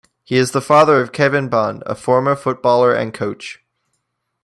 He is the father of Kevin Bond, a former footballer and coach.